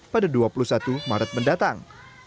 pada dua puluh satu maret mendatang